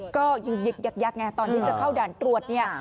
ก็ยืนยึกยักไงตอนที่จะเข้าด่านตรวจเนี่ย